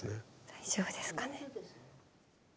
大丈夫ですかね。